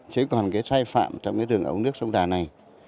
chứ còn cái sai phạm trong cái đường ống nước sông đà này